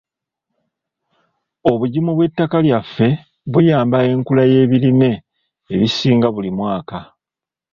Obugimu bw'ettaka lyaffe buyamba enkula y'ebirime ebisinga buli mwaka.